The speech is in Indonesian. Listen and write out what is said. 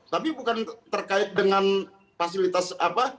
tapi bukan terkait dengan fasilitas apa